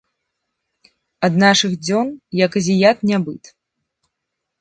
Ад нашых дзён, як азіят, нябыт.